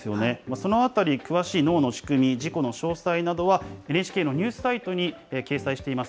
そのあたり、詳しい脳の仕組み、事故の詳細などは、ＮＨＫのニュースサイトに掲載しています